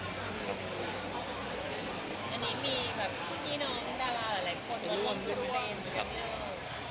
อันนี้มีพี่น้องดาราหลายคนมาควบคุมเป็น